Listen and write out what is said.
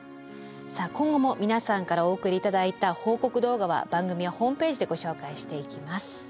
さあ今後も皆さんからお送り頂いた報告動画は番組やホームページでご紹介していきます。